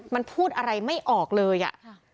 มันพูดอะไรไม่ออกเลยอ่ะ